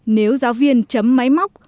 nếu giáo viên chấm máy móc